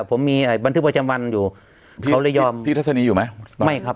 ผมมีบันทึกประจำวันอยู่พี่เขาระยองพี่ทัศนีอยู่ไหมไม่ครับ